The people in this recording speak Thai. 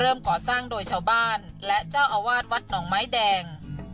ก่อสร้างโดยชาวบ้านและเจ้าอาวาสวัดหนองไม้แดง